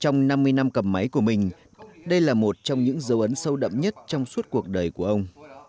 năm cầm máy của mình đây là một trong những dấu ấn sâu đậm nhất trong suốt cuộc đời của ông